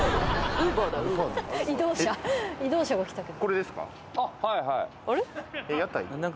「移動車移動車が来たけど」